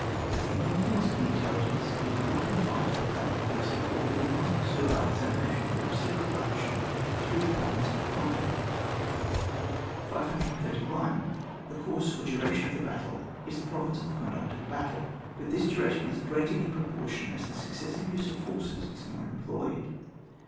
As the influence of the intelli gence is not confined to the plan properly BO called, we must pursue our examina tion of the reciprocal action through the province of the conduct. 531. The course or duration of the bat tle, is the province of the conduct of the battle : but this duration is greater in proportion as the successive use of forces is more employed.